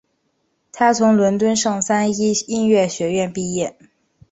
他从伦敦圣三一音乐学院毕业。